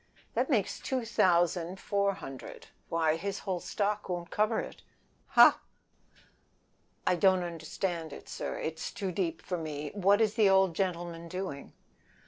"That makes two thousand four hundred; why, his whole stock won't cover it." "No!" "Don't understand it, it is too deep for me. What is the old gentleman doing?"